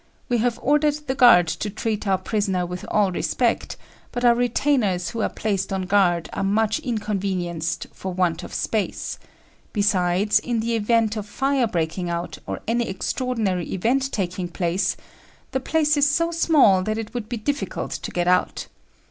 We have ordered the guard to treat our prisoner with all respect; but our retainers who are placed on guard are much inconvenienced for want of space; besides, in the event of fire breaking out or any extraordinary event taking place, the place is so small that it would be difficult to get out.